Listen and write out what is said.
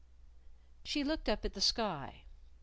She looked up at the sky.